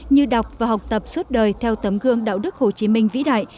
như đọc và học tập suốt đời theo tấm gương đạo đức hồ chí minh vĩ đại